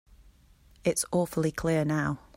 It's awfully clear now.